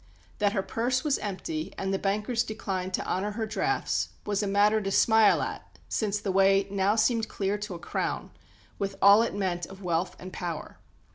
That her purse was empty and the bankers declined to honour her drafts was a matter to smile at, since the way now seemed clear to a crown, with all it meant of wealth and power.